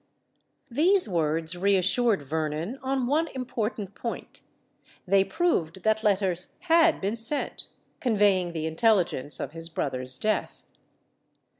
These words reassured Vernon on one important point: they proved that letters had been sent, conveying the intelligence of his brother's death.